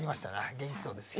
元気そうですよ。